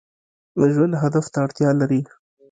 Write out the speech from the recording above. ژوند هدف ته اړتیا لري